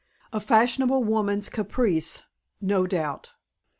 A fashionable woman's caprice, no doubt.